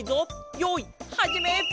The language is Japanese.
よいはじめ！